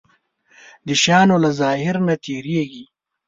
د شيانو له ظاهر نه تېرېږي.